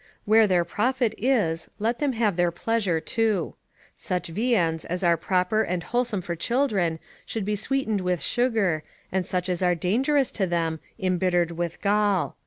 Where their profit is, let them there have their pleasure too. Such viands as are proper and wholesome for children, should be sweetened with sugar, and such as are dangerous to them, embittered with gall.